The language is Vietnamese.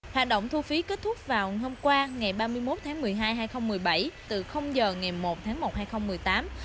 hoạt động thu phí kết thúc vào hôm qua ngày ba mươi một tháng một mươi hai hai nghìn một mươi bảy từ giờ ngày một tháng một hai nghìn một mươi tám